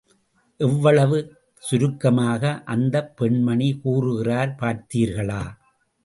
எவ்வளவு சுருக்கமாக அந்தப் பெண்மணி கூறுகிறார் பார்த்தீர்களா?